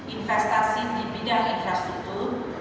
investasi di bidang infrastruktur